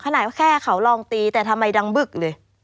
ไหนว่าแค่เขาลองตีแต่ทำไมดังบึกเลย